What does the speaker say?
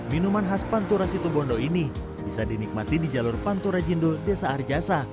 minuman khas pantura situbondo ini bisa dinikmati di jalur pantura jindul desa arjasa